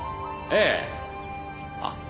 ええあっ？